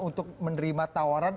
untuk menerima tawaran